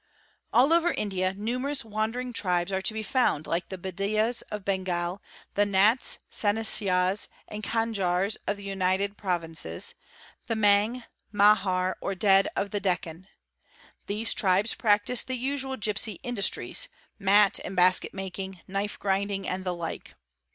'All over India numerous wandering tribes are to be found like t Bediyas of Bengal; the Nats, Sansiyas, and Kanjars of the United Pr vinces; the Mang, Mahar, or Dhed of the Deccan. These tribes practi GENERAL CONSIDERATIONS 355 the usual gipsy industries—mat and basket making, knife grinding, and the like.